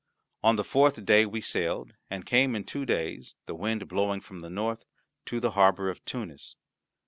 On the fourth day we sailed, and came in two days, the wind blowing from the north, to the harbour of Tunis.